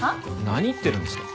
何言ってるんですか？